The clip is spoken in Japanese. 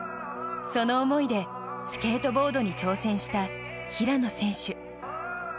その思いでスケートボードに挑戦した、平野選手。